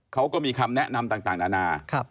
เขาก็มีคำแนะนำต่างนานา